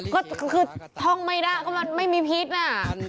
ก็คือท่องไม่ได้ก็มันไม่มีพิษน่ะ